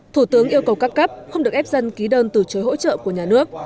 thủ tướng yêu cầu các cấp không được ép dân ký đơn từ chối hỗ trợ của nhà nước